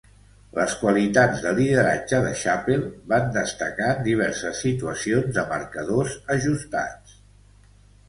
Les qualitats de lideratge de Chappell van destacar en diverses situacions de marcadors ajustats.